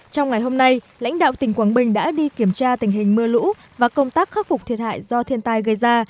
trong ngày hôm nay lãnh đạo tỉnh quảng bình đã đi kiểm tra tình hình mưa lũ và công tác khắc phục thiệt hại do thiên tai gây ra